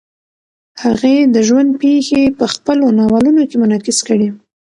هغې د ژوند پېښې په خپلو ناولونو کې منعکس کړې.